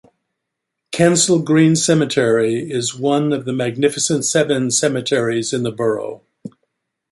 Kensal Green Cemetery is one of the 'Magnificent Seven' cemeteries in the borough.